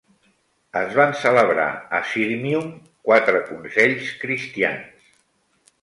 Es van celebrar a Sirmium quatre consells cristians.